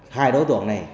hai đối tượng này